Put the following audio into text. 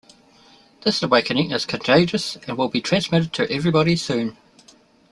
This awakening is contagious and it will be transmitted to everybody soon.